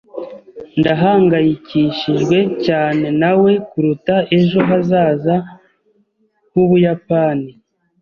Ndahangayikishijwe cyane nawe kuruta ejo hazaza h’Ubuyapani.